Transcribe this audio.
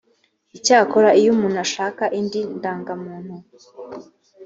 icyakora iyo umuntu ashaka indi ndangamuntu